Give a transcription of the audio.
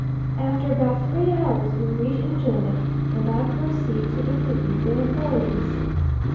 After about three hours we reach Njole, and I proceed to interview the authorities.